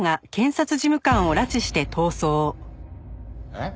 「」えっ？